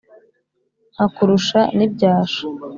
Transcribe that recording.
Nkakurusha n'ibyasha,